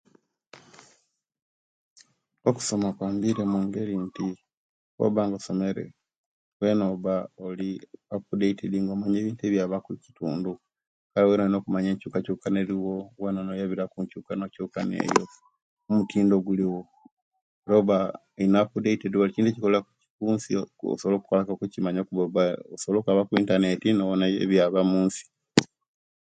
Okusoma kwambire mungeri nti obanga osomere, wena oba oli updated nga omanya ebyaba omukitundu wena olina okumanya enkyukakyukana eriwo wena noyabira kunkyukakyukana eyo omutindo oguliwo noba enough dated wali kintu ekikoliwa kunsi osobola okukikola okukimanya okuba osowola kwaba ku interneti nobona ebyaba omunsi.